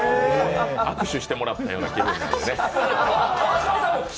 握手してもらったような気分なんでね。